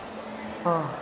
ああ。